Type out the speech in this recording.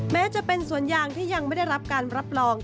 แม้จะเป็นสวนยางที่ยังไม่ได้รับการรับรอง